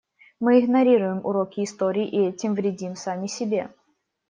Мы игнорируем уроки истории и этим вредим сами себе.